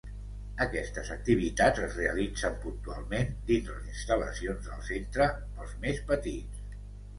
Aquestes activitats es realitzen puntualment dins les instal·lacions del centre pels més petits.